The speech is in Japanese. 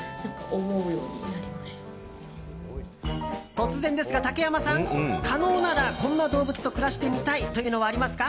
突然ですが、竹山さん可能なら、こんな動物と暮らしてみたいというのはありますか？